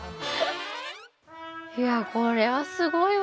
いやこれはすごいわ。